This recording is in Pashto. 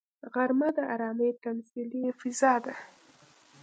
غرمه د ارامي تمثیلي فضا ده